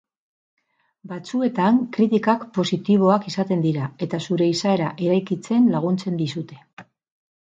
Batzuetan kritikak positiboak izaten dira, eta zure izaera eraikitzen laguntzen dizute.